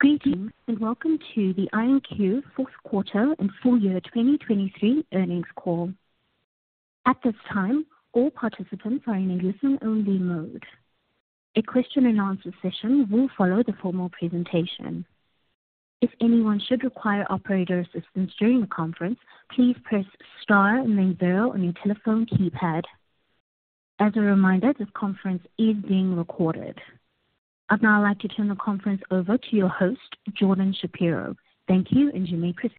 Greetings, and welcome to the IonQ fourth quarter and full year 2023 earnings call. At this time, all participants are in a listen-only mode. A question-and-answer session will follow the formal presentation. If anyone should require operator assistance during the conference, please press star and then zero on your telephone keypad. As a reminder, this conference is being recorded. I'd now like to turn the conference over to your host, Jordan Shapiro. Thank you, and you may proceed.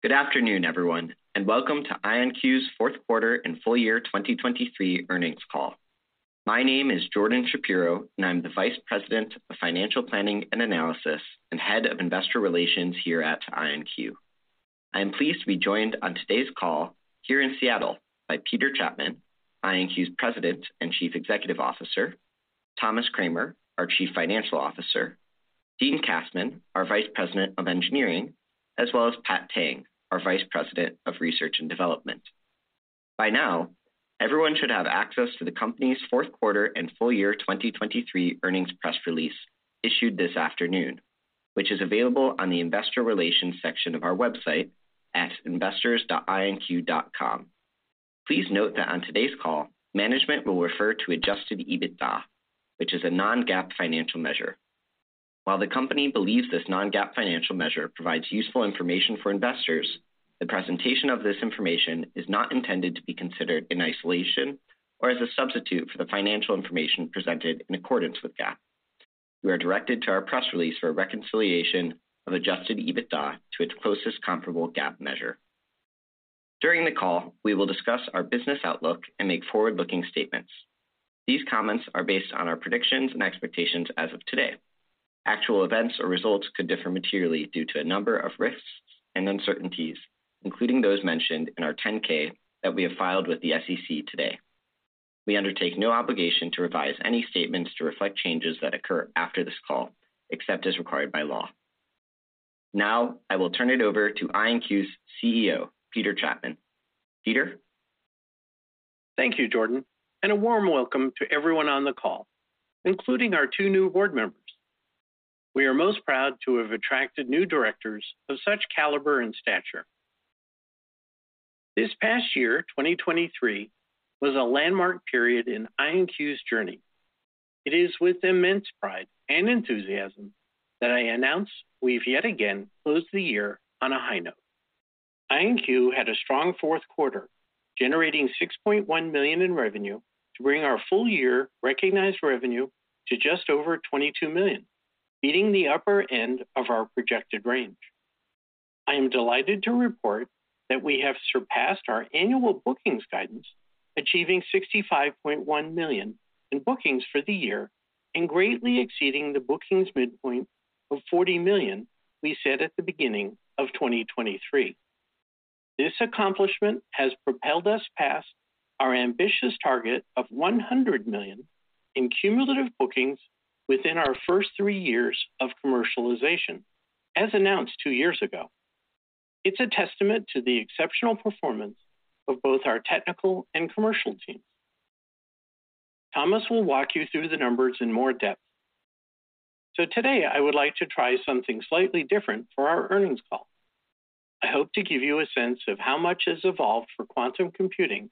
Good afternoon, everyone, and welcome to IonQ's fourth quarter and full year 2023 earnings call. My name is Jordan Shapiro, and I'm the Vice President of Financial Planning and Analysis and Head of Investor Relations here at IonQ. I am pleased to be joined on today's call here in Seattle by Peter Chapman, IonQ's President and Chief Executive Officer, Thomas Kramer, our Chief Financial Officer, Dean Kassmann, our Vice President of Engineering, as well as Pat Tang, our Vice President of Research and Development. By now, everyone should have access to the company's fourth quarter and full year 2023 earnings press release issued this afternoon, which is available on the Investor Relations section of our website at investors.ionq.com. Please note that on today's call, management will refer to adjusted EBITDA, which is a non-GAAP financial measure. While the company believes this non-GAAP financial measure provides useful information for investors, the presentation of this information is not intended to be considered in isolation or as a substitute for the financial information presented in accordance with GAAP. You are directed to our press release for a reconciliation of Adjusted EBITDA to its closest comparable GAAP measure. During the call, we will discuss our business outlook and make forward-looking statements. These comments are based on our predictions and expectations as of today. Actual events or results could differ materially due to a number of risks and uncertainties, including those mentioned in our 10-K that we have filed with the SEC today. We undertake no obligation to revise any statements to reflect changes that occur after this call, except as required by law. Now, I will turn it over to IonQ's CEO, Peter Chapman. Peter? Thank you, Jordan, and a warm welcome to everyone on the call, including our two new board members. We are most proud to have attracted new directors of such caliber and stature. This past year, 2023, was a landmark period in IonQ's journey. It is with immense pride and enthusiasm that I announce we've yet again closed the year on a high note. IonQ had a strong fourth quarter, generating $6.1 million in revenue to bring our full year recognized revenue to just over $22 million, beating the upper end of our projected range. I am delighted to report that we have surpassed our annual bookings guidance, achieving $65.1 million in bookings for the year and greatly exceeding the bookings midpoint of $40 million we set at the beginning of 2023. This accomplishment has propelled us past our ambitious target of $100 million in cumulative bookings within our first three years of commercialization, as announced 2 years ago. It's a testament to the exceptional performance of both our technical and commercial teams. Thomas will walk you through the numbers in more depth. Today I would like to try something slightly different for our earnings call. I hope to give you a sense of how much has evolved for quantum computing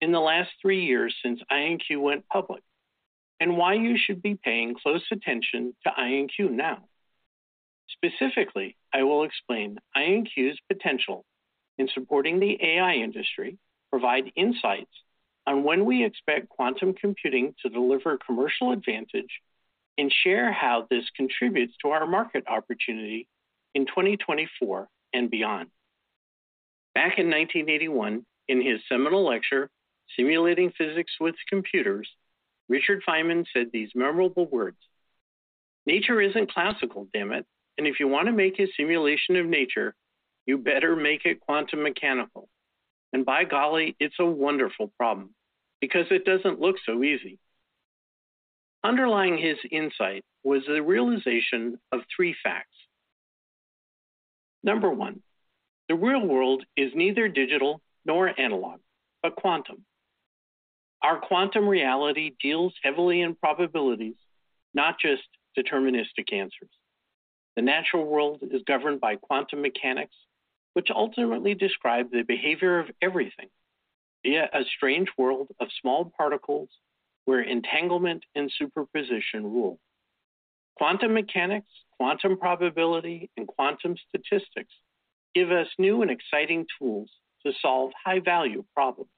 in the last three years since IonQ went public, and why you should be paying close attention to IonQ now. Specifically, I will explain IonQ's potential in supporting the AI industry, provide insights on when we expect quantum computing to deliver commercial advantage, and share how this contributes to our market opportunity in 2024 and beyond. Back in 1981, in his seminal lecture, Simulating Physics with Computers, Richard Feynman said these memorable words: "Nature isn't classical, damn it, and if you want to make a simulation of nature, you better make it quantum mechanical. And by golly, it's a wonderful problem because it doesn't look so easy." Underlying his insight was the realization of three facts. Number one, the real world is neither digital nor analog, but quantum. Our quantum reality deals heavily in probabilities, not just deterministic answers. The natural world is governed by quantum mechanics, which ultimately describe the behavior of everything via a strange world of small particles where entanglement and superposition rule. Quantum mechanics, quantum probability, and quantum statistics give us new and exciting tools to solve high-value problems.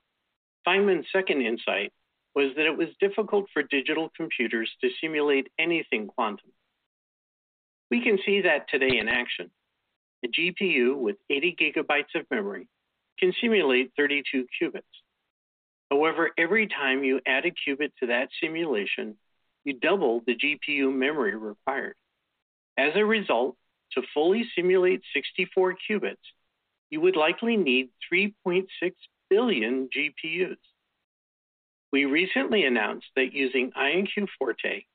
Feynman's second insight was that it was difficult for digital computers to simulate anything quantum. We can see that today in action. A GPU with 80 GB of memory can simulate 32 qubits. However, every time you add a qubit to that simulation, you double the GPU memory required. As a result, to fully simulate 64 qubits, you would likely need 3.6 billion GPUs. We recently announced that using IonQ Forte,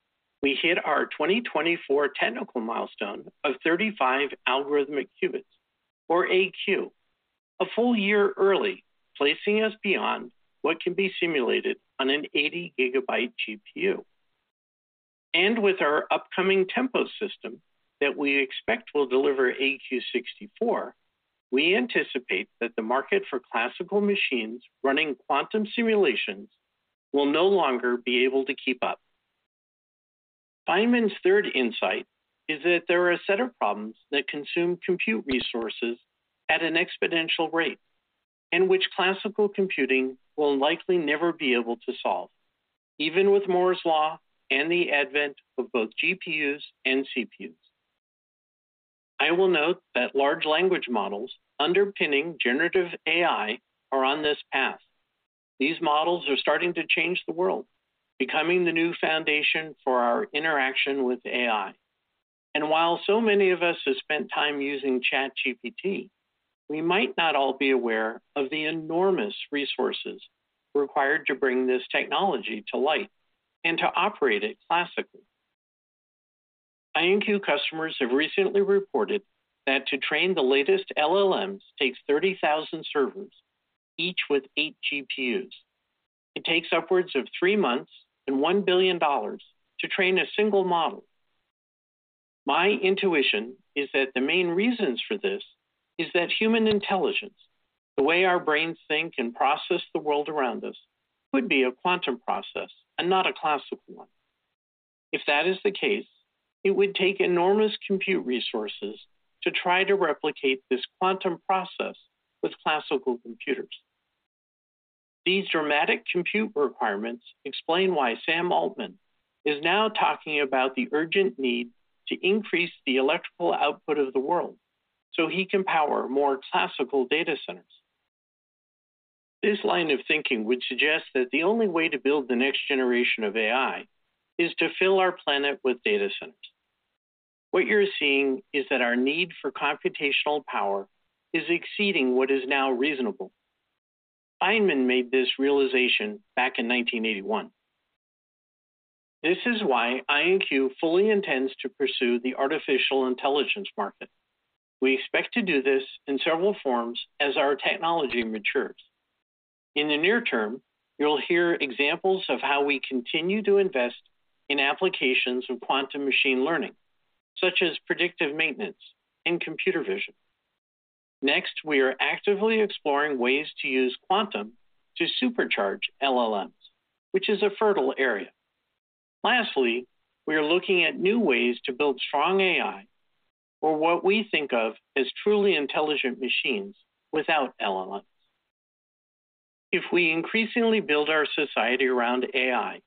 we hit our 2024 technical milestone of 35 algorithmic qubits, or AQ-... A full year early, placing us beyond what can be simulated on an 80 GB GPU. And with our upcoming Tempo system that we expect will deliver AQ 64, we anticipate that the market for classical machines running quantum simulations will no longer be able to keep up. Feynman's third insight is that there are a set of problems that consume compute resources at an exponential rate, and which classical computing will likely never be able to solve, even with Moore's Law and the advent of both GPUs and CPUs. I will note that large language models underpinning generative AI are on this path. These models are starting to change the world, becoming the new foundation for our interaction with AI. While so many of us have spent time using ChatGPT, we might not all be aware of the enormous resources required to bring this technology to light and to operate it classically. IonQ customers have recently reported that to train the latest LLMs takes 30,000 servers, each with eight GPUs. It takes upwards of three months and $1 billion to train a single model. My intuition is that the main reasons for this is that human intelligence, the way our brains think and process the world around us, could be a quantum process and not a classical one. If that is the case, it would take enormous compute resources to try to replicate this quantum process with classical computers. These dramatic compute requirements explain why Sam Altman is now talking about the urgent need to increase the electrical output of the world so he can power more classical data centers. This line of thinking would suggest that the only way to build the next generation of AI is to fill our planet with data centers. What you're seeing is that our need for computational power is exceeding what is now reasonable. Feynman made this realization back in 1981. This is why IonQ fully intends to pursue the artificial intelligence market. We expect to do this in several forms as our technology matures. In the near term, you'll hear examples of how we continue to invest in applications of quantum machine learning, such as predictive maintenance and computer vision. Next, we are actively exploring ways to use quantum to supercharge LLMs, which is a fertile area. Lastly, we are looking at new ways to build strong AI or what we think of as truly intelligent machines without LLMs. If we increasingly build our society around AI,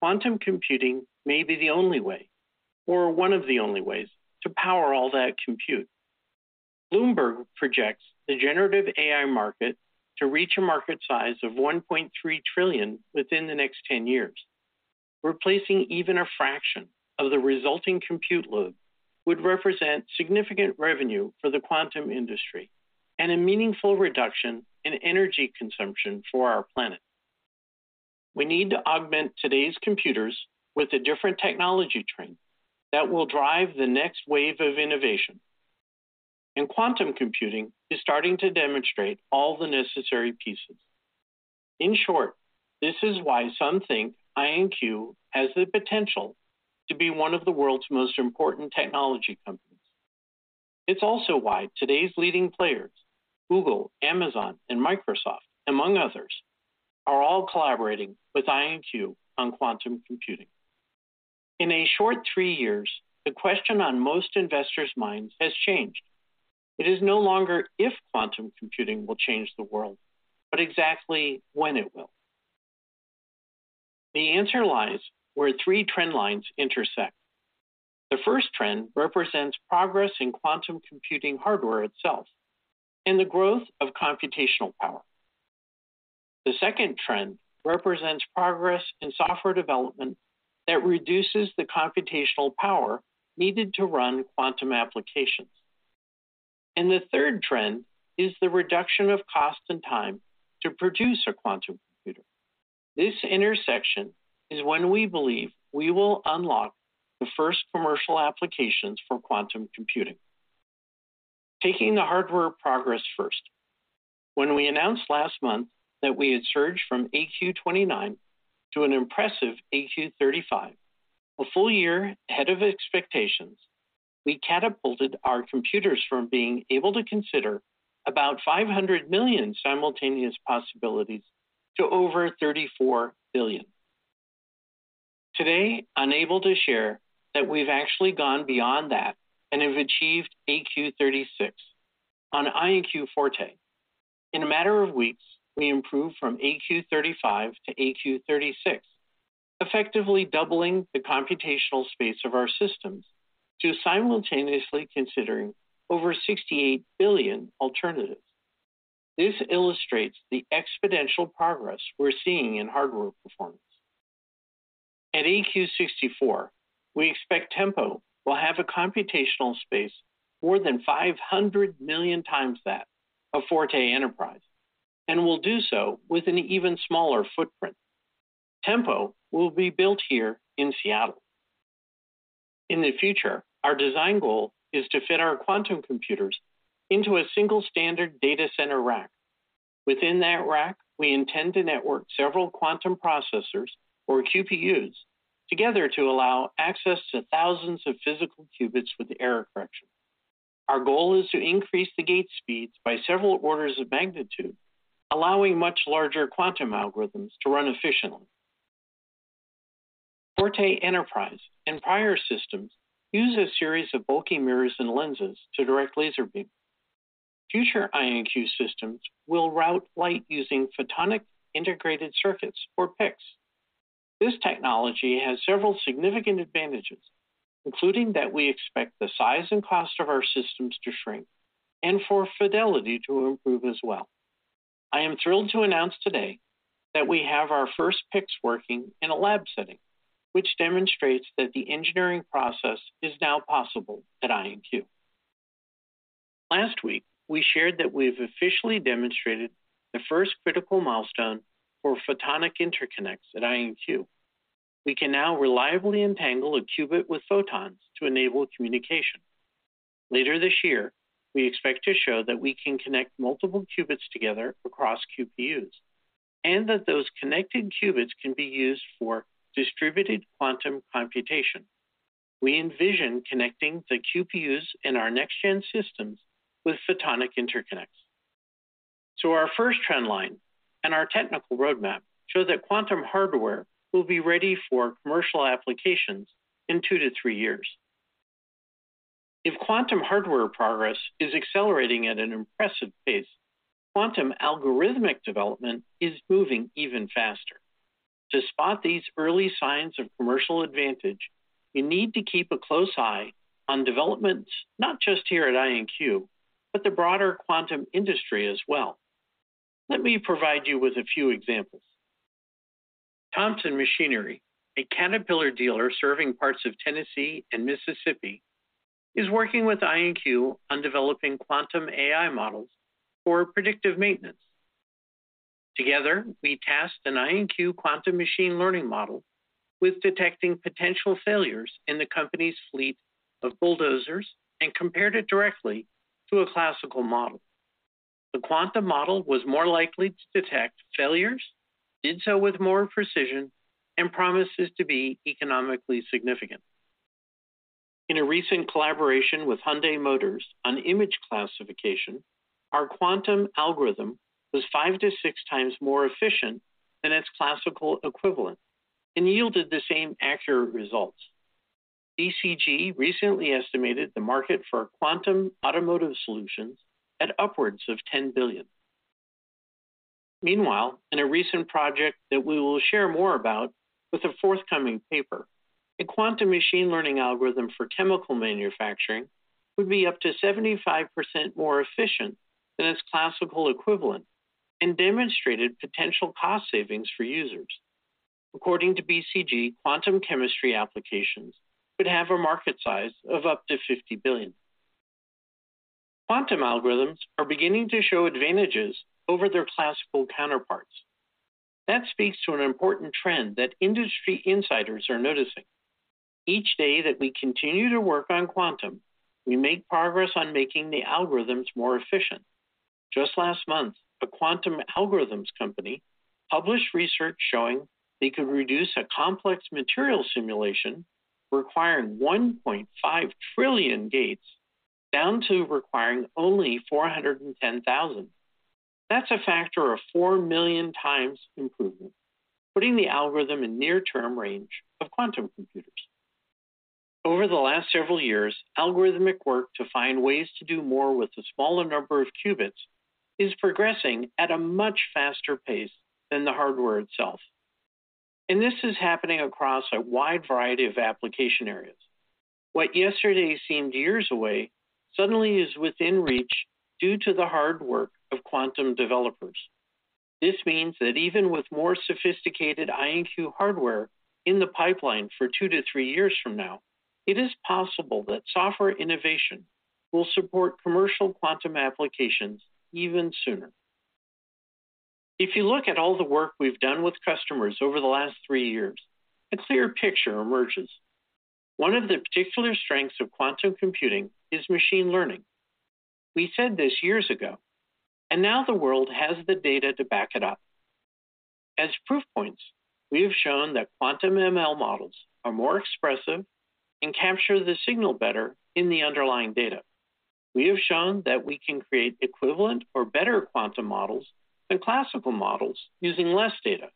quantum computing may be the only way, or one of the only ways, to power all that compute. Bloomberg projects the generative AI market to reach a market size of $1.3 trillion within the next 10 years. Replacing even a fraction of the resulting compute load would represent significant revenue for the quantum industry and a meaningful reduction in energy consumption for our planet. We need to augment today's computers with a different technology trend that will drive the next wave of innovation, and quantum computing is starting to demonstrate all the necessary pieces. In short, this is why some think IonQ has the potential to be one of the world's most important technology companies. It's also why today's leading players, Google, Amazon, and Microsoft, among others, are all collaborating with IonQ on quantum computing. In a short three years, the question on most investors' minds has changed. It is no longer if quantum computing will change the world, but exactly when it will. The answer lies where three trend lines intersect. The first trend represents progress in quantum computing hardware itself and the growth of computational power. The second trend represents progress in software development that reduces the computational power needed to run quantum applications. The third trend is the reduction of cost and time to produce a quantum computer. This intersection is when we believe we will unlock the first commercial applications for quantum computing. Taking the hardware progress first, when we announced last month that we had surged from AQ 29 to an impressive AQ 35, a full year ahead of expectations, we catapulted our computers from being able to consider about 500 million simultaneous possibilities to over 34 billion. Today, I'm able to share that we've actually gone beyond that and have achieved AQ 36 on IonQ Forte. In a matter of weeks, we improved from AQ 35 to AQ 36, effectively doubling the computational space of our systems to simultaneously considering over 68 billion alternatives. This illustrates the exponential progress we're seeing in hardware performance. At AQ 64, we expect Tempo will have a computational space more than 500 million times that of Forte Enterprise, and will do so with an even smaller footprint. Tempo will be built here in Seattle. In the future, our design goal is to fit our quantum computers into a single standard data center rack. Within that rack, we intend to network several quantum processors, or QPUs, together to allow access to thousands of physical qubits with error correction. Our goal is to increase the gate speeds by several orders of magnitude, allowing much larger quantum algorithms to run efficiently. Forte Enterprise and prior systems use a series of bulky mirrors and lenses to direct laser beam. Future IonQ systems will route light using photonic integrated circuits, or PICs. This technology has several significant advantages, including that we expect the size and cost of our systems to shrink and for fidelity to improve as well. I am thrilled to announce today that we have our first PICs working in a lab setting, which demonstrates that the engineering process is now possible at IonQ. Last week, we shared that we've officially demonstrated the first critical milestone for photonic interconnects at IonQ. We can now reliably entangle a qubit with photons to enable communication. Later this year, we expect to show that we can connect multiple qubits together across QPUs, and that those connected qubits can be used for distributed quantum computation. We envision connecting the QPUs in our next gen systems with photonic interconnects. So our first trend line and our technical roadmap show that quantum hardware will be ready for commercial applications in 2-3 years. If quantum hardware progress is accelerating at an impressive pace, quantum algorithmic development is moving even faster. To spot these early signs of commercial advantage, you need to keep a close eye on developments, not just here at IonQ, but the broader quantum industry as well. Let me provide you with a few examples. Thompson Machinery, a Caterpillar dealer serving parts of Tennessee and Mississippi, is working with IonQ on developing quantum AI models for predictive maintenance. Together, we tasked an IonQ quantum machine learning model with detecting potential failures in the company's fleet of bulldozers and compared it directly to a classical model. The quantum model was more likely to detect failures, did so with more precision, and promises to be economically significant. In a recent collaboration with Hyundai Motors on image classification, our quantum algorithm was 5-6 times more efficient than its classical equivalent and yielded the same accurate results. BCG recently estimated the market for quantum automotive solutions at upwards of $10 billion. Meanwhile, in a recent project that we will share more about with a forthcoming paper, a quantum machine learning algorithm for chemical manufacturing would be up to 75% more efficient than its classical equivalent and demonstrated potential cost savings for users. According to BCG, quantum chemistry applications could have a market size of up to $50 billion. Quantum algorithms are beginning to show advantages over their classical counterparts. That speaks to an important trend that industry insiders are noticing. Each day that we continue to work on quantum, we make progress on making the algorithms more efficient. Just last month, a quantum algorithms company published research showing they could reduce a complex material simulation requiring 1.5 trillion gates down to requiring only 410,000. That's a factor of 4 million times improvement, putting the algorithm in near-term range of quantum computers. Over the last several years, algorithmic work to find ways to do more with a smaller number of qubits is progressing at a much faster pace than the hardware itself, and this is happening across a wide variety of application areas. What yesterday seemed years away suddenly is within reach due to the hard work of quantum developers. This means that even with more sophisticated IonQ hardware in the pipeline for 2-3 years from now, it is possible that software innovation will support commercial quantum applications even sooner. If you look at all the work we've done with customers over the last three years, a clear picture emerges. One of the particular strengths of quantum computing is machine learning. We said this years ago, and now the world has the data to back it up. As proof points, we have shown that quantum ML models are more expressive and capture the signal better in the underlying data. We have shown that we can create equivalent or better quantum models than classical models using less data.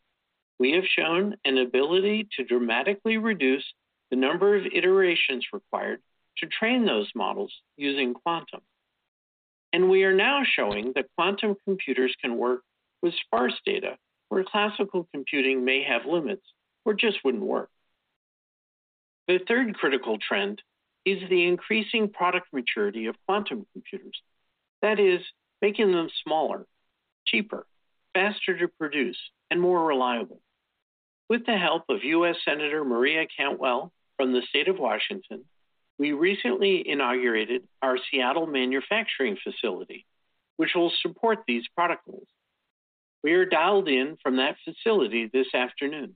We have shown an ability to dramatically reduce the number of iterations required to train those models using quantum. We are now showing that quantum computers can work with sparse data, where classical computing may have limits or just wouldn't work. The third critical trend is the increasing product maturity of quantum computers. That is, making them smaller, cheaper, faster to produce, and more reliable. With the help of U.S. Senator Maria Cantwell from the state of Washington, we recently inaugurated our Seattle manufacturing facility, which will support these product goals.... We are dialed in from that facility this afternoon.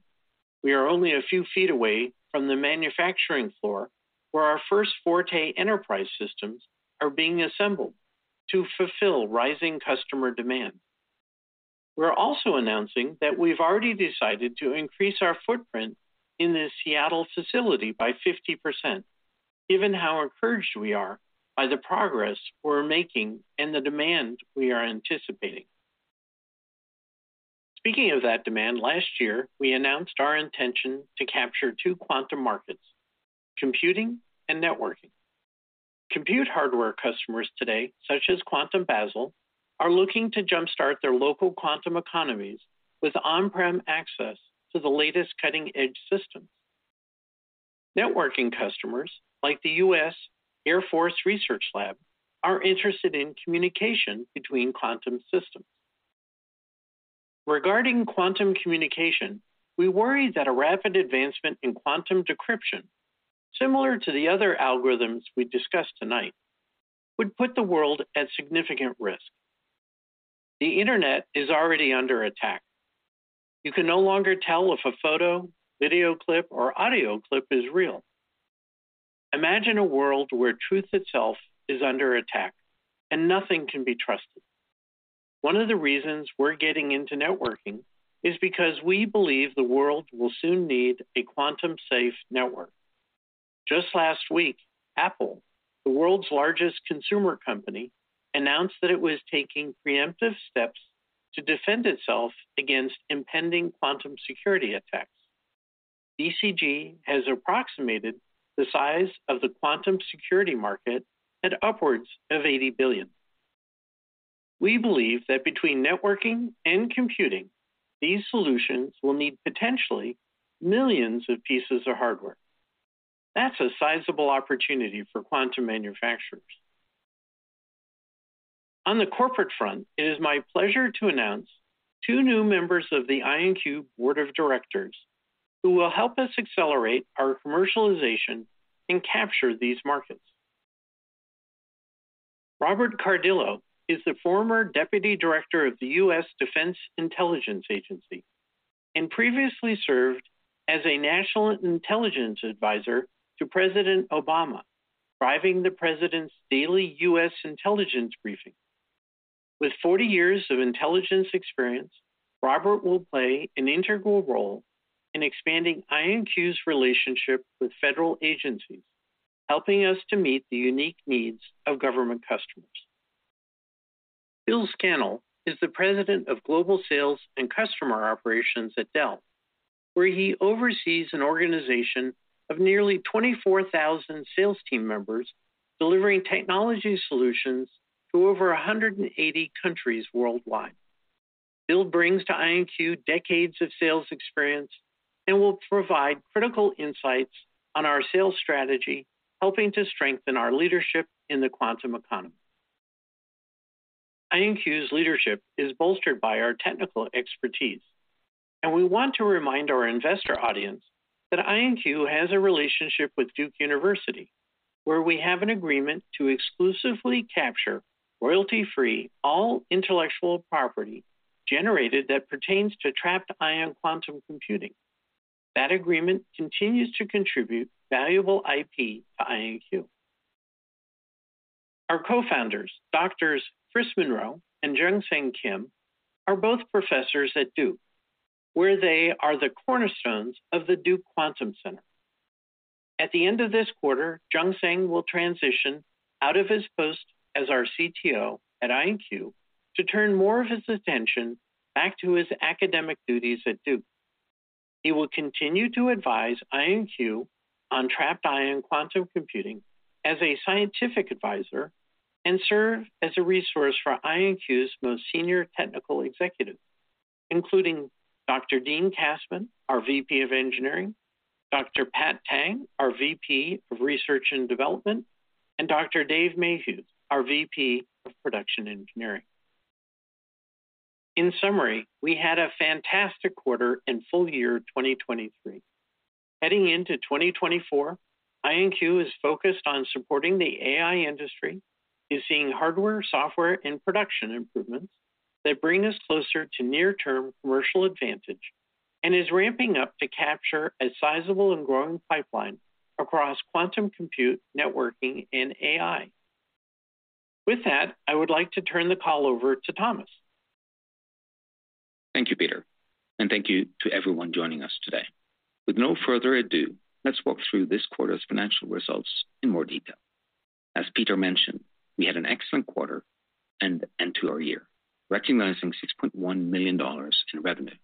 We are only a few feet away from the manufacturing floor, where our first Forte Enterprise systems are being assembled to fulfill rising customer demand. We're also announcing that we've already decided to increase our footprint in the Seattle facility by 50%, given how encouraged we are by the progress we're making and the demand we are anticipating. Speaking of that demand, last year, we announced our intention to capture two quantum markets: computing and networking. Compute hardware customers today, such as Quantum Basel, are looking to jumpstart their local quantum economies with on-prem access to the latest cutting-edge systems. Networking customers, like the U.S. Air Force Research Lab, are interested in communication between quantum systems. Regarding quantum communication, we worry that a rapid advancement in quantum decryption, similar to the other algorithms we discussed tonight, would put the world at significant risk. The Internet is already under attack. You can no longer tell if a photo, video clip, or audio clip is real. Imagine a world where truth itself is under attack and nothing can be trusted. One of the reasons we're getting into networking is because we believe the world will soon need a quantum-safe network. Just last week, Apple, the world's largest consumer company, announced that it was taking preemptive steps to defend itself against impending quantum security attacks. BCG has approximated the size of the quantum security market at upwards of $80 billion. We believe that between networking and computing, these solutions will need potentially millions of pieces of hardware. That's a sizable opportunity for quantum manufacturers. On the corporate front, it is my pleasure to announce two new members of the IonQ board of directors, who will help us accelerate our commercialization and capture these markets. Robert Cardillo is the former deputy director of the U.S. Defense Intelligence Agency, and previously served as a national intelligence advisor to President Obama, driving the president's daily U.S. intelligence briefing. With 40 years of intelligence experience, Robert will play an integral role in expanding IonQ's relationship with federal agencies, helping us to meet the unique needs of government customers. Bill Scannell is the president of Global Sales and Customer Operations at Dell, where he oversees an organization of nearly 24,000 sales team members delivering technology solutions to over 180 countries worldwide. Bill brings to IonQ decades of sales experience and will provide critical insights on our sales strategy, helping to strengthen our leadership in the quantum economy. IonQ's leadership is bolstered by our technical expertise, and we want to remind our investor audience that IonQ has a relationship with Duke University, where we have an agreement to exclusively capture, royalty-free, all intellectual property generated that pertains to trapped ion quantum computing. That agreement continues to contribute valuable IP to IonQ. Our cofounders, Doctors Chris Monroe and Jungsang Kim, are both professors at Duke, where they are the cornerstones of the Duke Quantum Center. At the end of this quarter, Jungsang will transition out of his post as our CTO at IonQ to turn more of his attention back to his academic duties at Duke. He will continue to advise IonQ on trapped ion quantum computing as a scientific advisor and serve as a resource for IonQ's most senior technical executives, including Dr. Dean Kassmann, our VP of Engineering, Dr. Pat Tang, our VP of Research and Development, and Dr. Dave Mehuys, our VP of Production Engineering. In summary, we had a fantastic quarter and full year 2023. Heading into 2024, IonQ is focused on supporting the AI industry, is seeing hardware, software, and production improvements that bring us closer to near-term commercial advantage, and is ramping up to capture a sizable and growing pipeline across quantum compute, networking, and AI. With that, I would like to turn the call over to Thomas. Thank you, Peter, and thank you to everyone joining us today. With no further ado, let's walk through this quarter's financial results in more detail. As Peter mentioned, we had an excellent quarter and end to our year, recognizing $6.1 million in revenue.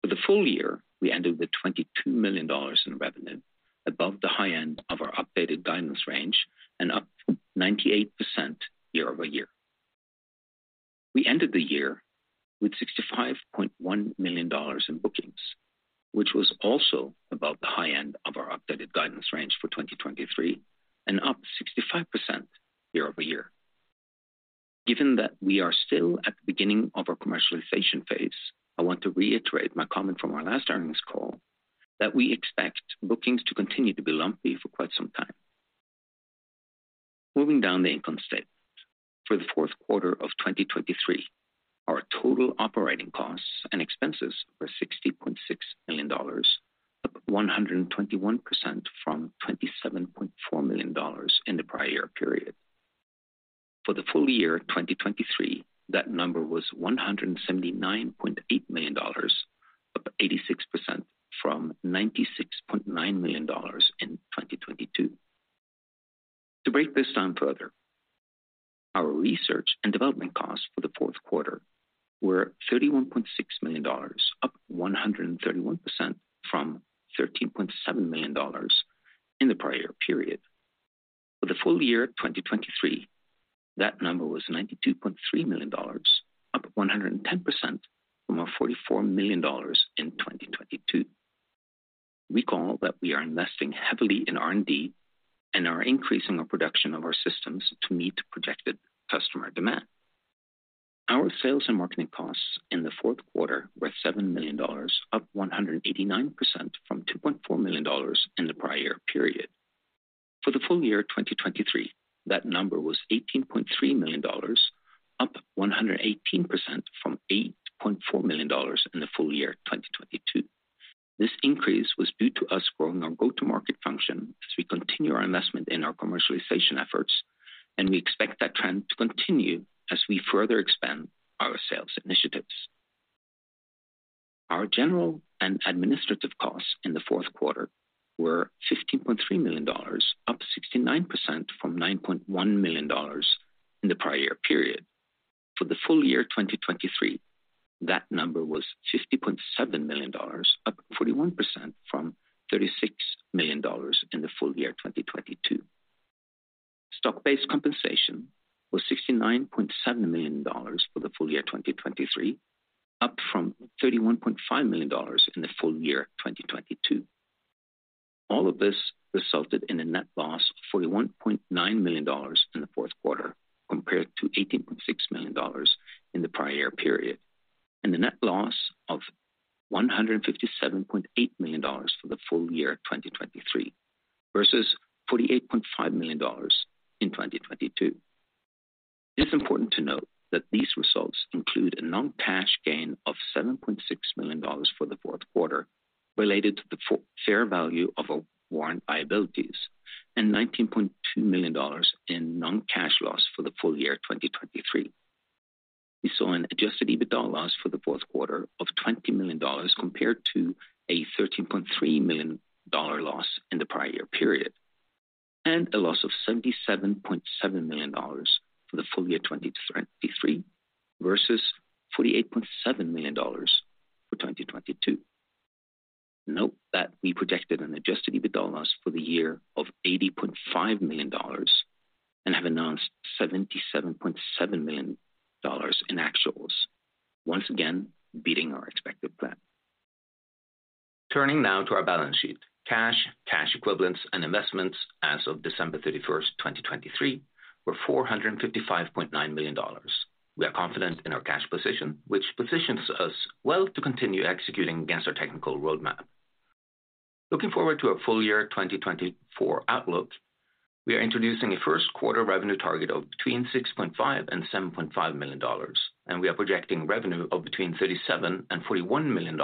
For the full year, we ended with $22 million in revenue, above the high end of our updated guidance range and up 98% year-over-year. We ended the year with $65.1 million in bookings, which was also above the high end of our updated guidance range for 2023 and up 65% year-over-year. Given that we are still at the beginning of our commercialization phase, I want to reiterate my comment from our last earnings call that we expect bookings to continue to be lumpy for quite some time. Moving down the income statement, for the fourth quarter of 2023, our total operating costs and expenses were $60.6 million, up 121% from $27.4 million in the prior period. For the full year 2023, that number was $179.8 million, up 86% from $96.9 million in 2022. To break this down further, our research and development costs for the fourth quarter were $31.6 million, up 131% from $13.7 million in the prior period. For the full year 2023, that number was $92.3 million, up 110% from our $44 million in 2022. Recall that we are investing heavily in R&D and are increasing our production of our systems to meet projected customer demand. Our sales and marketing costs in the fourth quarter were $7 million, up 189% from $2.4 million in the prior period. For the full year 2023, that number was $18.3 million, up 118% from $8.4 million in the full year 2022. This increase was due to us growing our go-to-market function as we continue our investment in our commercialization efforts, and we expect that trend to continue as we further expand our sales initiatives. Our general and administrative costs in the fourth quarter were $15.3 million, up 69% from $9.1 million in the prior period. For the full year 2023, that number was $50.7 million, up 41% from $36 million in the full year 2022. Stock-based compensation was $69.7 million for the full year 2023, up from $31.5 million in the full year 2022. All of this resulted in a net loss of $41.9 million in the fourth quarter, compared to $18.6 million in the prior period, and a net loss of $157.8 million for the full year 2023, versus $48.5 million in 2022. It's important to note that these results include a non-cash gain of $7.6 million for the fourth quarter related to the fair value of our warrant liabilities and $19.2 million in non-cash loss for the full year 2023. We saw an Adjusted EBITDA loss for the fourth quarter of $20 million compared to a $13.3 million loss in the prior year period, and a loss of $77.7 million for the full year 2023 versus $48.7 million for 2022. Note that we projected an Adjusted EBITDA loss for the year of $80.5 million and have announced $77.7 million in actuals, once again beating our expected plan. Turning now to our balance sheet. Cash, cash equivalents, and investments as of December 31, 2023, were $455.9 million. We are confident in our cash position, which positions us well to continue executing against our technical roadmap. Looking forward to our full year 2024 outlook, we are introducing a first quarter revenue target of between $6.5-$7.5 million, and we are projecting revenue of between $37-$41 million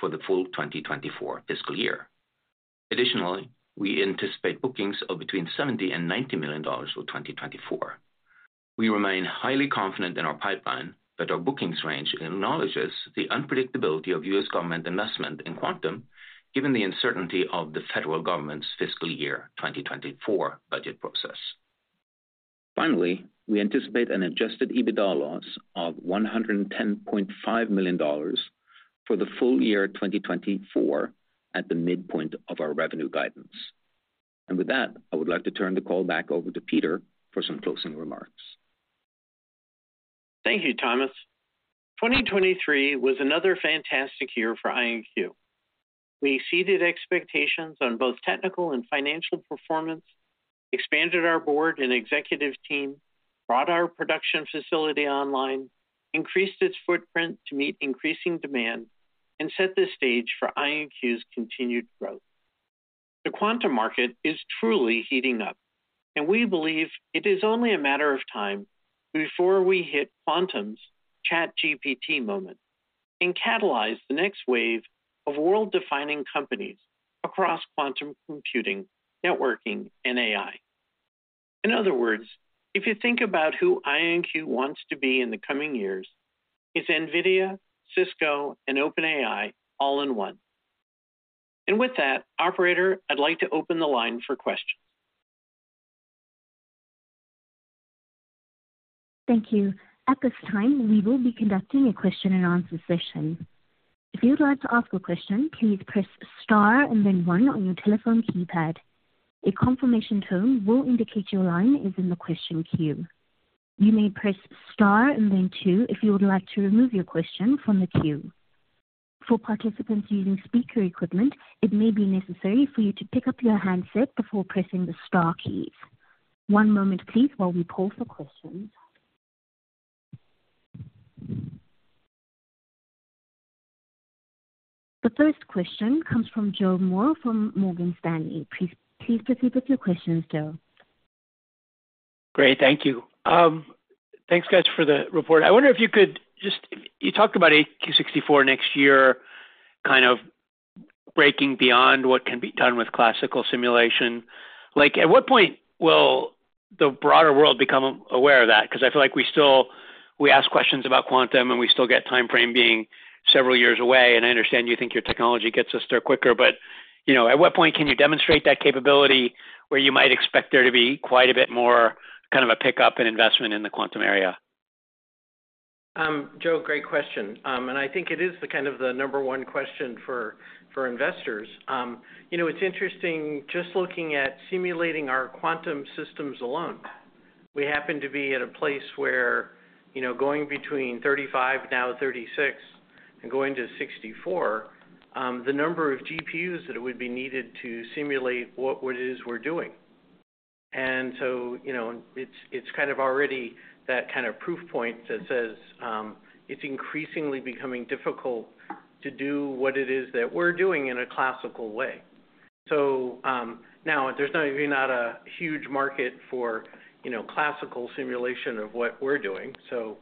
for the full 2024 fiscal year. Additionally, we anticipate bookings of between $70-$90 million for 2024. We remain highly confident in our pipeline that our bookings range acknowledges the unpredictability of U.S. government investment in quantum, given the uncertainty of the federal government's fiscal year 2024 budget process. Finally, we anticipate an adjusted EBITDA loss of $110.5 million for the full year 2024 at the midpoint of our revenue guidance. With that, I would like to turn the call back over to Peter for some closing remarks. Thank you, Thomas. 2023 was another fantastic year for IonQ. We exceeded expectations on both technical and financial performance, expanded our board and executive team, brought our production facility online, increased its footprint to meet increasing demand, and set the stage for IonQ's continued growth. The quantum market is truly heating up, and we believe it is only a matter of time before we hit quantum's ChatGPT moment and catalyze the next wave of world-defining companies across quantum computing, networking, and AI. In other words, if you think about who IonQ wants to be in the coming years, it's NVIDIA, Cisco, and OpenAI all in one. And with that, operator, I'd like to open the line for questions. Thank you. At this time, we will be conducting a question and answer session. If you'd like to ask a question, please press star and then one on your telephone keypad. A confirmation tone will indicate your line is in the question queue. You may press star and then two if you would like to remove your question from the queue. For participants using speaker equipment, it may be necessary for you to pick up your handset before pressing the star key. One moment please while we poll for questions. The first question comes from Joe Moore from Morgan Stanley. Please, please proceed with your questions, Joe. Great, thank you. Thanks, guys, for the report. I wonder if you could just... You talked about AQ 64 next year, kind of breaking beyond what can be done with classical simulation. Like, at what point will the broader world become aware of that? Because I feel like we still, we ask questions about quantum, and we still get time frame being several years away, and I understand you think your technology gets us there quicker. But, you know, at what point can you demonstrate that capability, where you might expect there to be quite a bit more kind of a pickup in investment in the quantum area? Joe, great question. And I think it is the kind of the number one question for, for investors. You know, it's interesting just looking at simulating our quantum systems alone. We happen to be at a place where, you know, going between 35, now 36 and going to 64, the number of GPUs that it would be needed to simulate what it is we're doing. And so, you know, it's, it's kind of already that kind of proof point that says, it's increasingly becoming difficult to do what it is that we're doing in a classical way. So, now there's not, not a huge market for, you know, classical simulation of what we're doing, so,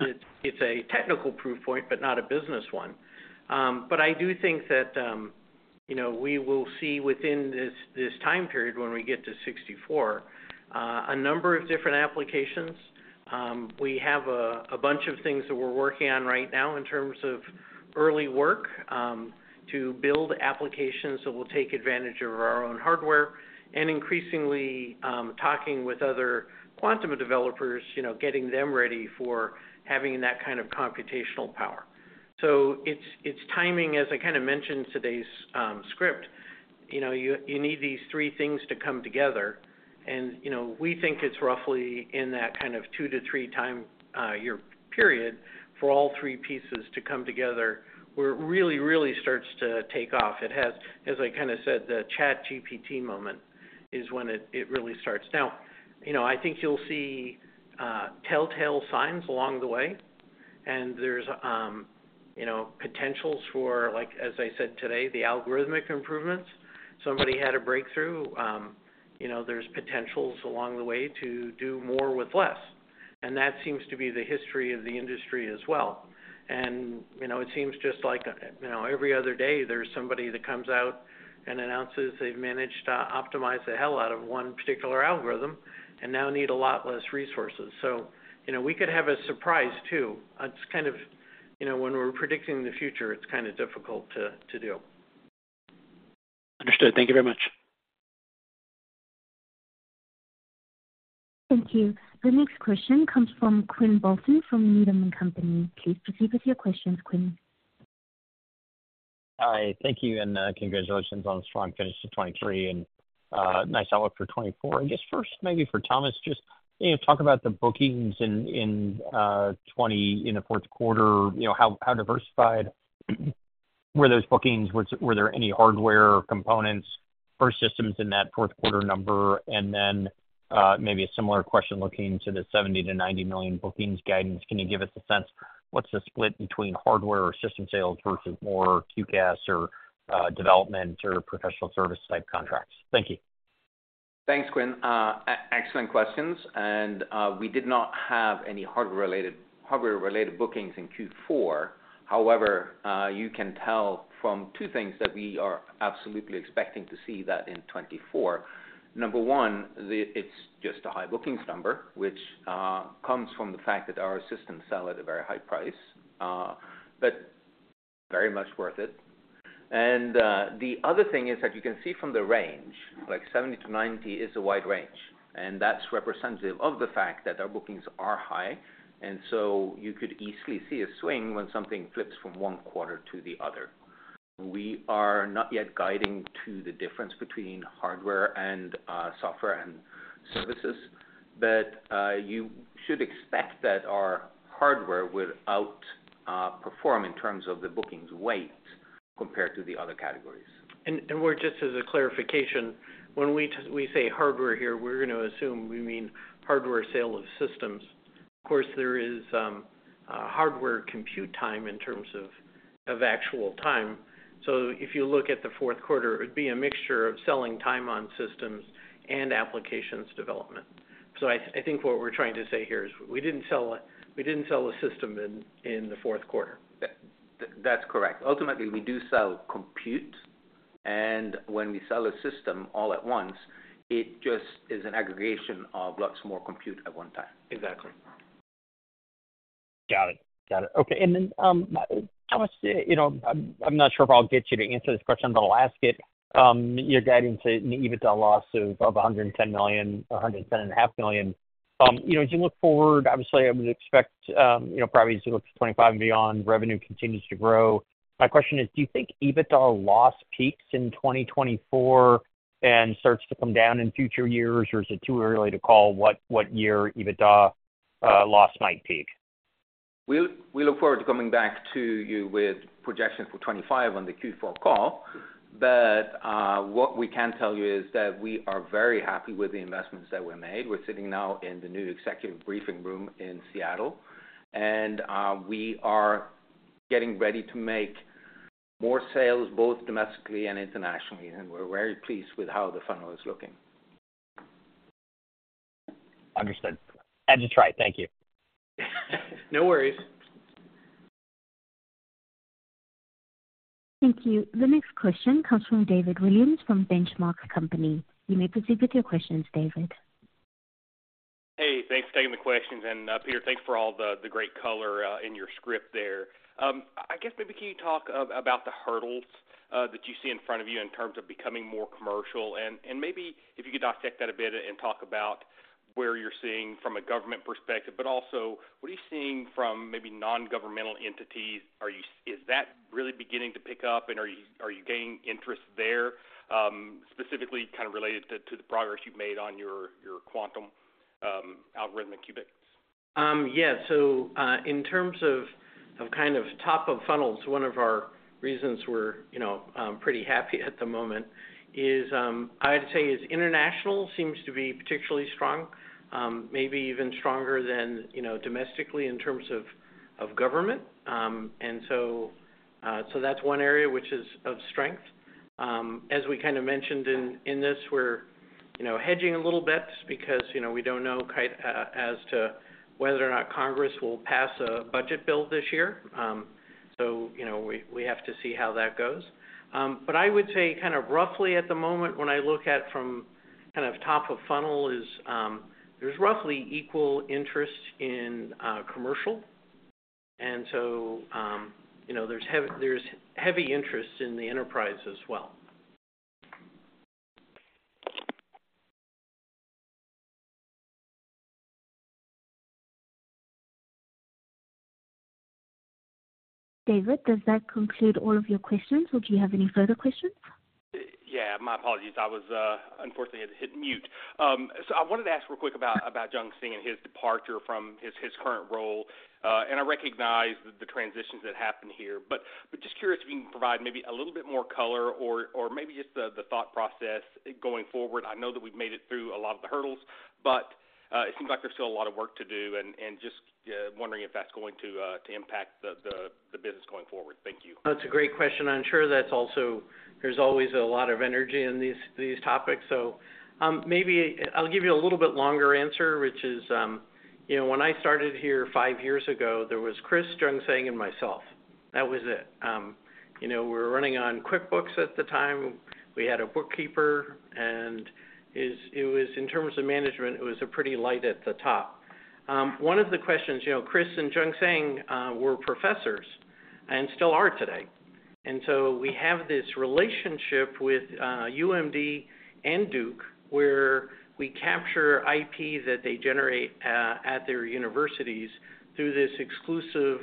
it's, it's a technical proof point, but not a business one. But I do think that, you know, we will see within this time period, when we get to 64, a number of different applications. We have a bunch of things that we're working on right now in terms of early work, to build applications that will take advantage of our own hardware and increasingly, talking with other quantum developers, you know, getting them ready for having that kind of computational power. So it's timing, as I kind of mentioned today's script, you know, you need these three things to come together. And, you know, we think it's roughly in that kind of 2-3 year time period for all three pieces to come together, where it really, really starts to take off. It has, as I kind of said, the ChatGPT moment is when it really starts. Now, you know, I think you'll see telltale signs along the way, and there's, you know, potentials for, like, as I said today, the algorithmic improvements. Somebody had a breakthrough. You know, there's potentials along the way to do more with less, and that seems to be the history of the industry as well. You know, it seems just like, you know, every other day, there's somebody that comes out and announces they've managed to optimize the hell out of one particular algorithm and now need a lot less resources. So, you know, we could have a surprise, too. It's kind of, you know, when we're predicting the future, it's kind of difficult to do. Understood. Thank you very much. Thank you. The next question comes from Quinn Bolton from Needham and Company. Please proceed with your questions, Quinn. Hi, thank you, and, congratulations on a strong finish to 2023 and, nice outlook for 2024. I guess first, maybe for Thomas, just, you know, talk about the bookings in, in, 2023 in the fourth quarter. You know, how, how diversified were those bookings? Were there any hardware components or systems in that fourth quarter number? And then, maybe a similar question, looking to the $70 million-$90 million bookings guidance, can you give us a sense, what's the split between hardware or system sales versus more QCAS or, development or professional service type contracts? Thank you. Thanks, Quinn. Excellent questions, and we did not have any hardware-related, hardware-related bookings in Q4. However, you can tell from two things that we are absolutely expecting to see that in 2024. Number one, it's just a high bookings number, which comes from the fact that our systems sell at a very high price, but very much worth it. And the other thing is that you can see from the range, like 70-90 is a wide range, and that's representative of the fact that our bookings are high, and so you could easily see a swing when something flips from one quarter to the other. We are not yet guiding to the difference between hardware and software and services, but you should expect that our hardware will outperform in terms of the bookings weight compared to the other categories. We're just as a clarification, when we say hardware here, we're gonna assume we mean hardware sale of systems. Of course, there is hardware compute time in terms of actual time. So if you look at the fourth quarter, it would be a mixture of selling time on systems and applications development. So I think what we're trying to say here is, we didn't sell a system in the fourth quarter. That's correct. Ultimately, we do sell compute, and when we sell a system all at once, it just is an aggregation of lots more compute at one time. Exactly. Got it. Got it. Okay, and then, you know, I'm not sure if I'll get you to answer this question, but I'll ask it. You're guiding to an EBITDA loss of $110 million, $110.5 million. You know, as you look forward, obviously, I would expect, you know, probably as you look to 2025 and beyond, revenue continues to grow. My question is: Do you think EBITDA loss peaks in 2024 and starts to come down in future years, or is it too early to call what year EBITDA loss might peak? We look forward to coming back to you with projections for 2025 on the Q4 call.... But, what we can tell you is that we are very happy with the investments that were made. We're sitting now in the new executive briefing room in Seattle, and, we are getting ready to make more sales, both domestically and internationally, and we're very pleased with how the funnel is looking. Understood. That is right. Thank you. No worries. Thank you. The next question comes from David Williams from The Benchmark Company. You may proceed with your questions, David. Hey, thanks for taking the questions. Peter, thanks for all the great color in your script there. I guess maybe can you talk about the hurdles that you see in front of you in terms of becoming more commercial? And maybe if you could dissect that a bit and talk about where you're seeing from a government perspective, but also, what are you seeing from maybe nongovernmental entities? Is that really beginning to pick up, and are you gaining interest there, specifically kind of related to the progress you've made on your quantum algorithmic qubits? Yeah. So, in terms of kind of top of funnels, one of our reasons we're, you know, pretty happy at the moment is. I'd say international seems to be particularly strong, maybe even stronger than, you know, domestically in terms of government. And so that's one area which is of strength. As we kind of mentioned in this, we're, you know, hedging a little bit because, you know, we don't know as to whether or not Congress will pass a budget bill this year. So, you know, we have to see how that goes. But I would say kind of roughly at the moment, when I look at from kind of top of funnel, is there's roughly equal interest in commercial. You know, there's heavy interest in the enterprise as well. David, does that conclude all of your questions? Would you have any further questions? Yeah, my apologies. I was, unfortunately, I had to hit mute. So I wanted to ask real quick about Jungsang and his departure from his current role. And I recognize the transitions that happened here, but just curious if you can provide maybe a little bit more color or maybe just the thought process going forward. I know that we've made it through a lot of the hurdles, but it seems like there's still a lot of work to do, and just wondering if that's going to impact the business going forward. Thank you. That's a great question, and I'm sure that's also... There's always a lot of energy in these, these topics. So, maybe I'll give you a little bit longer answer, which is, you know, when I started here five years ago, there was Chris, Jungsang, and myself. That was it. You know, we were running on QuickBooks at the time. We had a bookkeeper, and it was, in terms of management, it was a pretty light at the top. One of the questions, you know, Chris and Jungsang were professors and still are today. And so we have this relationship with UMD and Duke, where we capture IP that they generate at their universities through this exclusive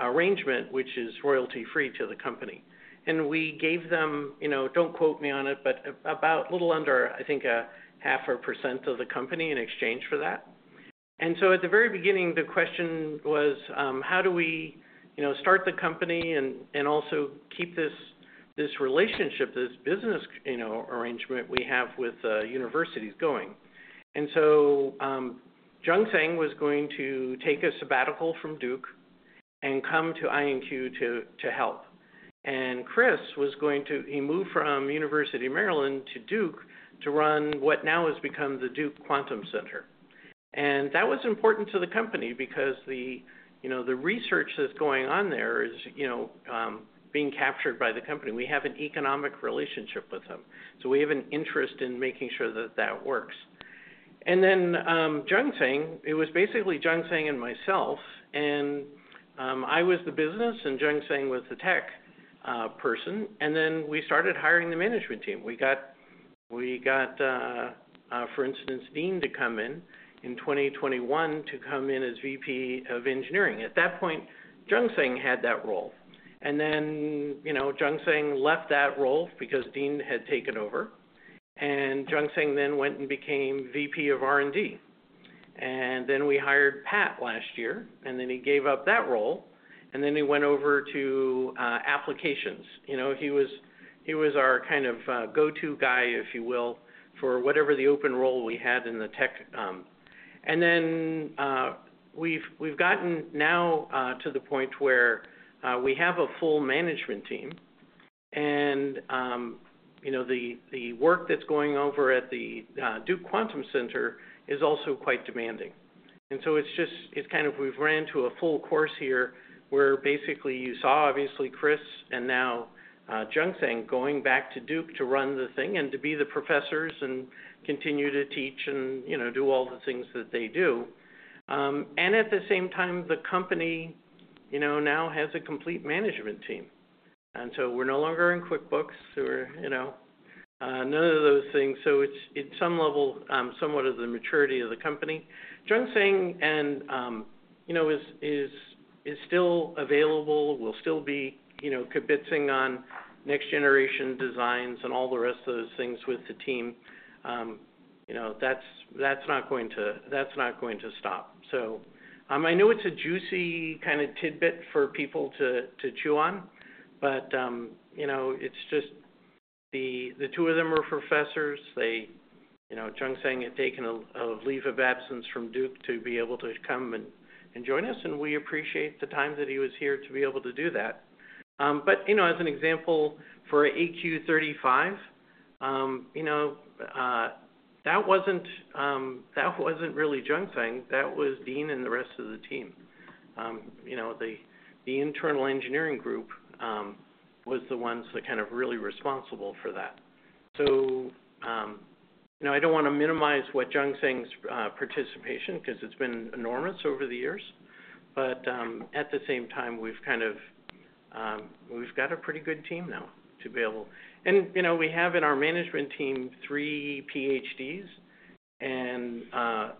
arrangement, which is royalty-free to the company. And we gave them, you know, don't quote me on it, but about a little under, I think, 0.5% of the company in exchange for that. And so at the very beginning, the question was: How do we, you know, start the company and also keep this, this relationship, this business, you know, arrangement we have with universities going? And so, Jungsang was going to take a sabbatical from Duke and come to IonQ to help. And Chris was going to. He moved from University of Maryland to Duke to run what now has become the Duke Quantum Center. And that was important to the company because the, you know, the research that's going on there is, you know, being captured by the company. We have an economic relationship with them, so we have an interest in making sure that that works. And then, Jungsang, it was basically Jungsang and myself, and I was the business, and Jungsang was the tech person. And then we started hiring the management team. We got, for instance, Dean to come in in 2021, to come in as VP of Engineering. At that point, Jungsang had that role. And then, you know, Jungsang left that role because Dean had taken over, and Jungsang then went and became VP of R&D. And then we hired Pat last year, and then he gave up that role, and then he went over to applications. You know, he was, he was our kind of, go-to guy, if you will, for whatever the open role we had in the tech. And then, we've, we've gotten now, to the point where, we have a full management team, and, you know, the, the work that's going over at the, Duke Quantum Center is also quite demanding. And so it's just— It's kind of we've ran to a full course here, where basically you saw, obviously, Chris and now, Jungsang going back to Duke to run the thing and to be the professors and continue to teach and, you know, do all the things that they do. And at the same time, the company, you know, now has a complete management team, and so we're no longer in QuickBooks. We're, you know, none of those things. So it's some level, somewhat of the maturity of the company. Jungsang and, you know, is still available, will still be, you know, kibitzing on next-generation designs and all the rest of those things with the team. You know, that's not going to stop. So, I know it's a juicy kind of tidbit for people to chew on, but, you know, it's just the two of them are professors. They, you know, Jungsang had taken a leave of absence from Duke to be able to come and join us, and we appreciate the time that he was here to be able to do that. But, you know, as an example, for AQ 35, you know, that wasn't really Jungsang. That was Dean and the rest of the team. You know, the internal engineering group was the ones that kind of really responsible for that. So, you know, I don't wanna minimize what Jungsang's participation, 'cause it's been enormous over the years, but, at the same time, we've kind of, we've got a pretty good team now to be able-- And, you know, we have in our management team, three PhDs, and,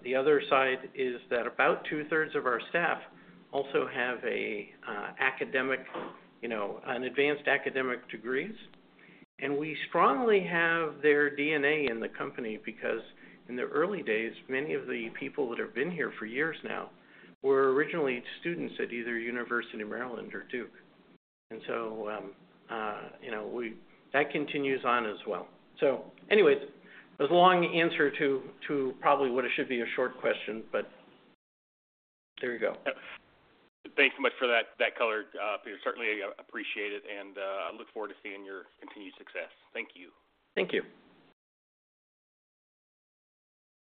the other side is that about two-thirds of our staff also have a academic, you know, an advanced academic degrees. And we strongly have their DNA in the company, because in the early days, many of the people that have been here for years now, were originally students at either University of Maryland or Duke. And so, you know, we-- That continues on as well. So anyways, it was a long answer to probably what it should be a short question, but there you go. Yep. Thanks so much for that, that color, Peter, certainly appreciate it, and, I look forward to seeing your continued success. Thank you. Thank you.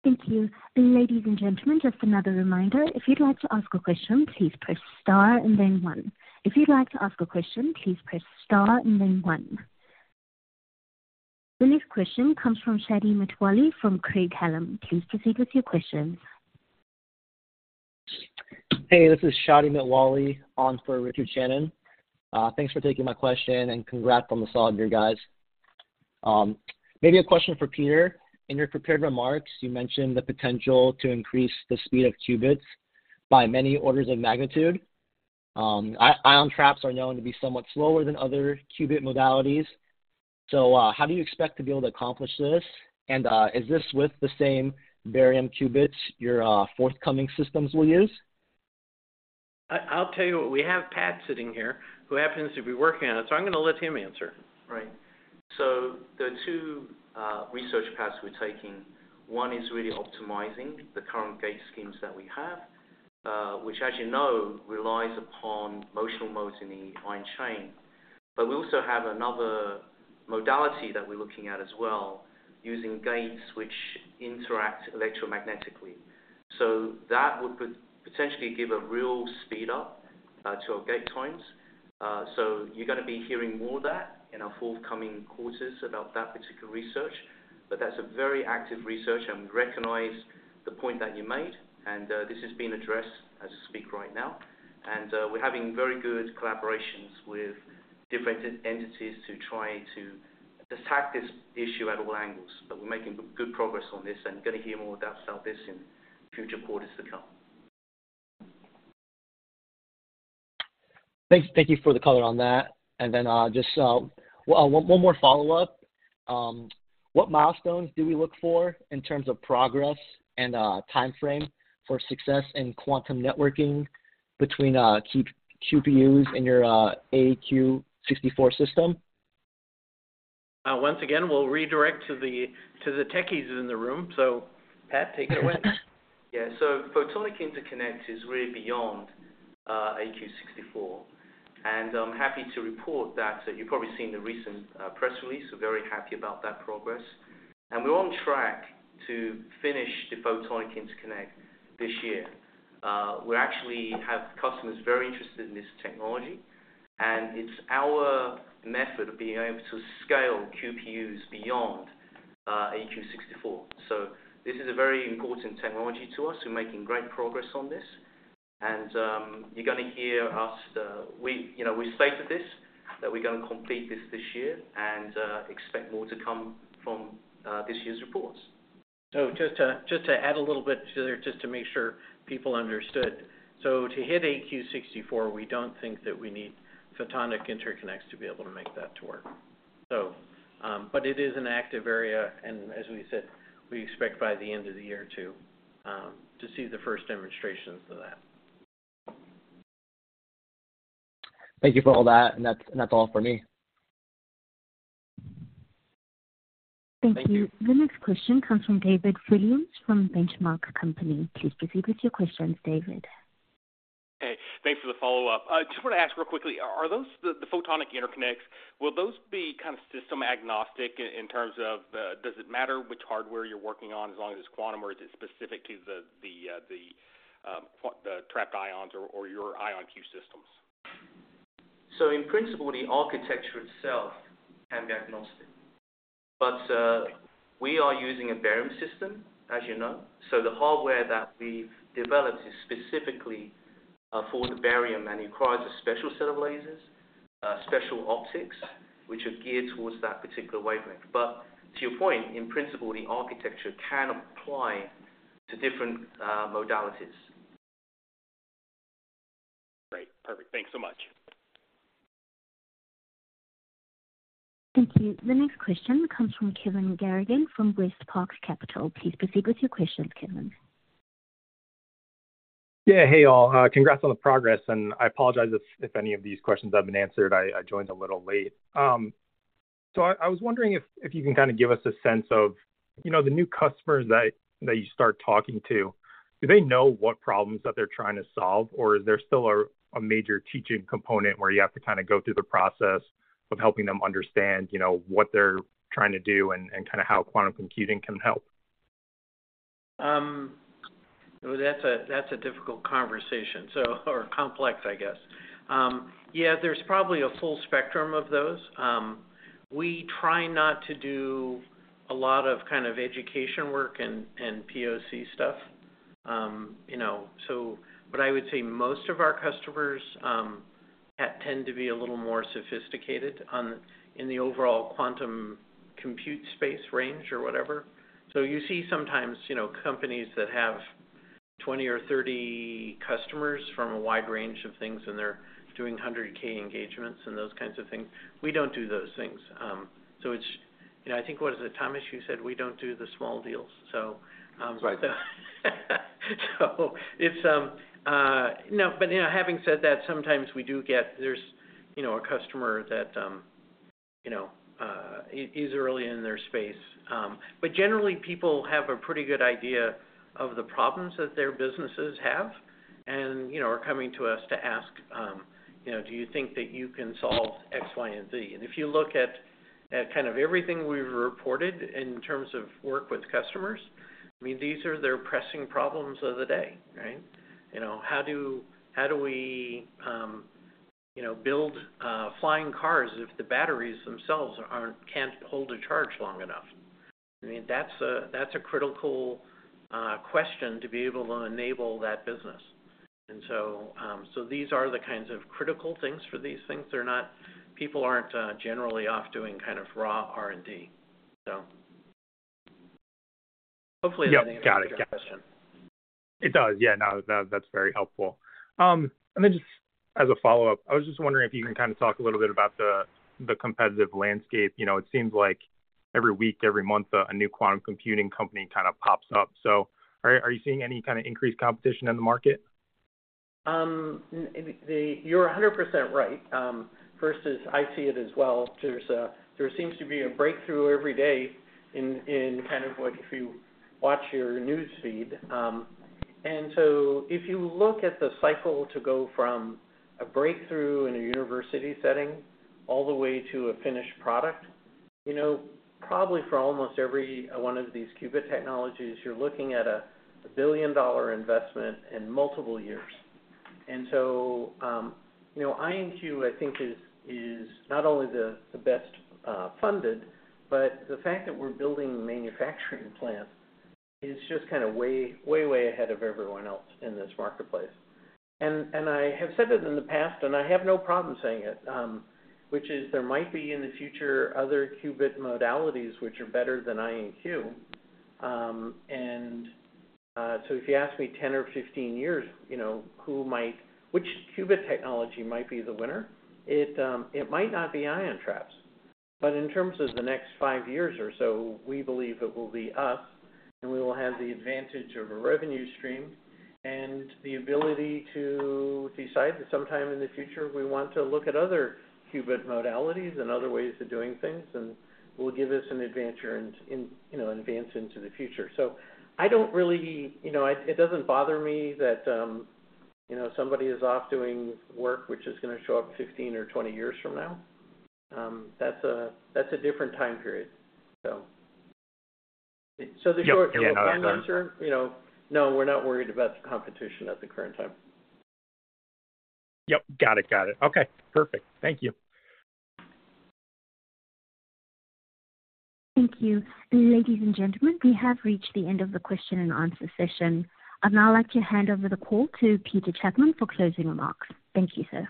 Thank you. Ladies and gentlemen, just another reminder, if you'd like to ask a question, please press star and then one. If you'd like to ask a question, please press star and then one. The next question comes from Shadi Mitwalli from Craig-Hallum. Please proceed with your question. Hey, this is Shadi Mitwalli on for Richard Shannon. Thanks for taking my question, and congrats on the solid year, guys. Maybe a question for Peter. In your prepared remarks, you mentioned the potential to increase the speed of qubits by many orders of magnitude. Ion traps are known to be somewhat slower than other qubit modalities. So, how do you expect to be able to accomplish this? And, is this with the same barium qubits, your forthcoming systems will use? I'll tell you what, we have Pat sitting here, who happens to be working on it, so I'm gonna let him answer. Right. So the two research paths we're taking, one is really optimizing the current gate schemes that we have, which, as you know, relies upon motional modes in the ion chain. But we also have another modality that we're looking at as well, using gates which interact electromagnetically. So that would potentially give a real speed up to our gate times. So you're gonna be hearing more of that in our forthcoming quarters about that particular research. But that's a very active research, and recognize the point that you made, and this is being addressed as we speak right now. And we're having very good collaborations with different entities to try to attack this issue at all angles. But we're making good progress on this, and you're gonna hear more about this in future quarters to come. Thanks. Thank you for the color on that. And then, just, one more follow-up. What milestones do we look for in terms of progress and, timeframe for success in quantum networking between, QPUs and your, AQ 64 system? Once again, we'll redirect to the techies in the room. So Pat, take it away. Yeah. So photonic interconnect is really beyond AQ 64, and I'm happy to report that you've probably seen the recent press release. We're very happy about that progress. And we're on track to finish the photonic interconnect this year. We actually have customers very interested in this technology, and it's our method of being able to scale QPUs beyond AQ 64. So this is a very important technology to us. We're making great progress on this, and you're gonna hear us... We, you know, we stated this, that we're gonna complete this this year, and expect more to come from this year's reports. So just to add a little bit there, just to make sure people understood. So to hit AQ 64, we don't think that we need photonic interconnects to be able to make that work. So, but it is an active area, and as we said, we expect by the end of the year to see the first demonstrations of that. Thank you for all that, and that's all for me. Thank you. Thank you. The next question comes from David Williams from The Benchmark Company. Please proceed with your questions, David. Hey, thanks for the follow-up. I just want to ask real quickly, are those the photonic interconnects, will those be kind of system agnostic in terms of, does it matter which hardware you're working on as long as it's quantum, or is it specific to the trapped ions or your IonQ systems? So in principle, the architecture itself can be agnostic. But, we are using a barium system, as you know, so the hardware that we've developed is specifically, for the barium, and it requires a special set of lasers, special optics, which are geared towards that particular wavelength. But to your point, in principle, the architecture can apply to different, modalities. Great. Perfect. Thanks so much. Thank you. The next question comes from Kevin Garrigan from West Park Capital. Please proceed with your questions, Kevin. Yeah. Hey, all. Congrats on the progress, and I apologize if any of these questions have been answered. I joined a little late. So I was wondering if you can kinda give us a sense of, you know, the new customers that you start talking to, do they know what problems that they're trying to solve, or is there still a major teaching component where you have to kinda go through the process of helping them understand, you know, what they're trying to do and kinda how quantum computing can help? Well, that's a difficult conversation, so or complex, I guess. Yeah, there's probably a full spectrum of those. We try not to do a lot of kind of education work and POC stuff. You know, so what I would say, most of our customers attend to be a little more sophisticated on, in the overall quantum compute space range or whatever. So you see sometimes, you know, companies that have 20 or 30 customers from a wide range of things, and they're doing $100K engagements and those kinds of things. We don't do those things. So it's... You know, I think, what is it, Thomas, you said we don't do the small deals? So, Right. Now, but you know, having said that, sometimes we do get. There's you know a customer that you know is early in their space. But generally, people have a pretty good idea of the problems that their businesses have and you know are coming to us to ask you know, "Do you think that you can solve X, Y, and Z?" And if you look at kind of everything we've reported in terms of work with customers, I mean, these are their pressing problems of the day, right? You know, how do we you know build flying cars if the batteries themselves can't hold a charge long enough? I mean, that's a critical question to be able to enable that business. And so, these are the kinds of critical things for these things. They're not... People aren't generally off doing kind of raw R&D. So hopefully, that- Yep, got it. Answered your question. It does. Yeah, no, that, that's very helpful. And then just as a follow-up, I was just wondering if you can kind of talk a little bit about the competitive landscape. You know, it seems like every week, every month, a new quantum computing company kind of pops up. So are you seeing any kind of increased competition in the market? You're 100% right. First, I see it as well. There seems to be a breakthrough every day in kind of like if you watch your news feed. And so if you look at the cycle to go from a breakthrough in a university setting all the way to a finished product, you know, probably for almost every one of these qubit technologies, you're looking at a billion-dollar investment and multiple years. And so, you know, IonQ, I think, is not only the best funded, but the fact that we're building a manufacturing plant is just kind of way, way, way ahead of everyone else in this marketplace. I have said this in the past, and I have no problem saying it, which is there might be, in the future, other qubit modalities which are better than IonQ. So if you ask me 10 or 15 years, you know, who might... Which qubit technology might be the winner, it might not be ion traps. But in terms of the next 5 years or so, we believe it will be us, and we will have the advantage of a revenue stream and the ability to decide that sometime in the future, we want to look at other qubit modalities and other ways of doing things, and will give us an advantage in you know advance into the future. So I don't really... You know, it doesn't bother me that, you know, somebody is off doing work which is gonna show up 15 or 20 years from now. That's a, that's a different time period. So, so the short- Yep. Yeah, no, that's- Answer, you know, no, we're not worried about the competition at the current time. Yep, got it, got it. Okay, perfect. Thank you. Thank you. Ladies and gentlemen, we have reached the end of the question and answer session. I'd now like to hand over the call to Peter Chapman for closing remarks. Thank you, sir.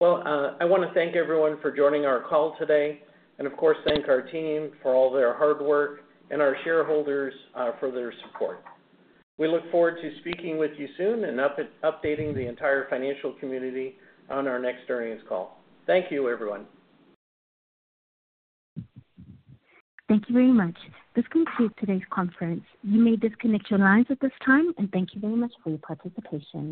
Well, I wanna thank everyone for joining our call today, and of course, thank our team for all their hard work and our shareholders for their support. We look forward to speaking with you soon and updating the entire financial community on our next earnings call. Thank you, everyone. Thank you very much. This concludes today's conference. You may disconnect your lines at this time, and thank you very much for your participation.